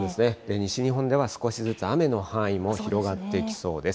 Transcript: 西日本では少しずつ雨の範囲も広がってきそうです。